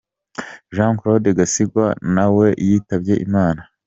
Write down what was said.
Jean Claude Gasigwa na we yitabye Imana.